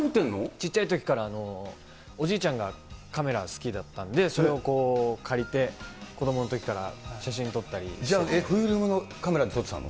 ちっちゃいときから、おじいちゃんがカメラ好きだったんで、それを借りて、子どものとじゃあ、フィルムのカメラで撮ってたの？